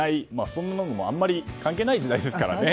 そんなのもあまり関係ない時代ですからね。